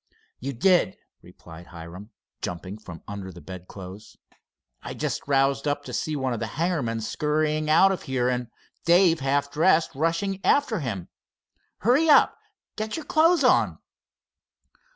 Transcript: "You did," replied Hiram, jumping from under the bedclothes. "I just roused up to see one of the hangar men scurrying out of here, and Dave, half dressed, rushing after him. Hurry up, get your clothes on."